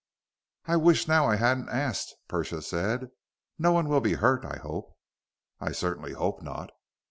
"I wish now I hadn't asked," Persia said. "No one will be hurt, I hope." "I certainly hope not."